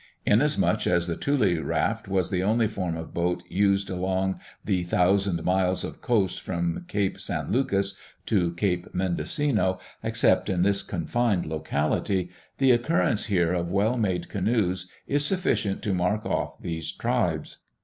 Inasmuch as the tule raft was the only form of boat used along the thousand miles of coast from Cape San Lucas to Cape Mendocino except in this confined locality, the occurrence here of well made canoes is sufficient to mark off these tribes.